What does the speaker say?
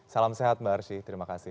salam sehat mbak arsy terima kasih